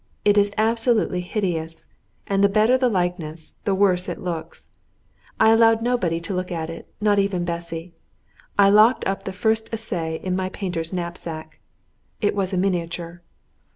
It is absolutely hideous, and the better the likeness, the worse it looks. I allowed nobody to look at it, not even Bessy. I locked up the first essay in my painter's knapsack; it was a miniature.